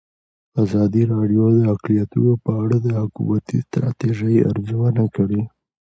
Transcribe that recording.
ازادي راډیو د اقلیتونه په اړه د حکومتي ستراتیژۍ ارزونه کړې.